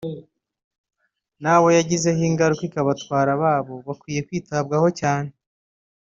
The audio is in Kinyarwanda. n’abo yagizeho ingaruka ikabatwara ababo bakwiye kwitabwaho cyane